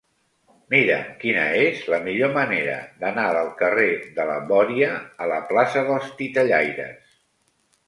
Mira'm quina és la millor manera d'anar del carrer de la Bòria a la plaça dels Titellaires.